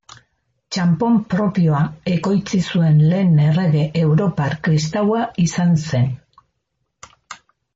Txanpon propioa ekoitzi zuen lehen errege europar kristaua izan zen.